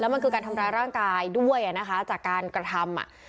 แล้วมันคือการทำร้ายร่างกายด้วยจากการกระทำ